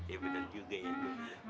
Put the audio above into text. eh bener juga ya bang